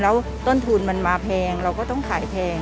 แล้วต้นทุนมันมาแพงเราก็ต้องขายแพง